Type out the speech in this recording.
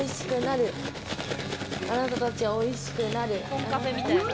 コンカフェみたいな。